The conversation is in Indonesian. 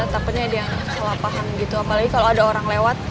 takutnya dia salah paham gitu apalagi kalau ada orang lewat